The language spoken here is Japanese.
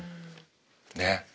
ねっ。